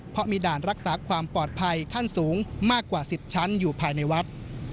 เพราะมีด่านรักษาความปลอดภัยขั้นสูงมากกว่า๑๐ชั้นอยู่ภายในวัด